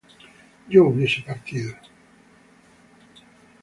yo hubiese partido